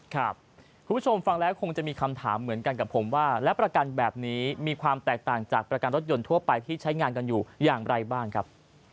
คุณผู้ชมฟังแล้วคงจะมีคำถามเหมือนกันกับผมว่าและประกันแบบนี้มีความแตกต่างจากประกันรถยนต์ทั่วไปที่ใช้งานกันอยู่อย่างไรบ้างครับ